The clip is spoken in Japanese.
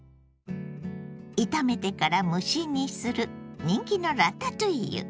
炒めてから蒸し煮する人気のラタトゥイユ。